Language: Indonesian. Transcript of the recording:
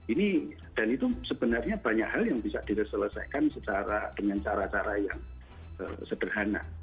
ini dan itu sebenarnya banyak hal yang bisa diselesaikan secara dengan cara cara yang sederhana